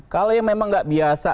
kalau yang memang nggak biasa